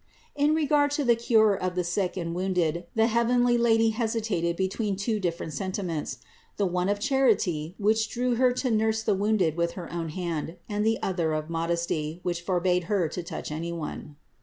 668. In regard to the cure of the sick and wounded the heavenly Lady hesitated between two different senti ments : the one of charity, which drew Her to nurse the wounded with her own hand, and the other of modesty, which forbade Her to touch anyone.